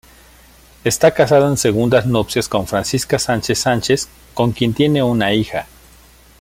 Está casado en segundas nupcias con Francisca Sánchez Sánchez, con quien tiene una hija.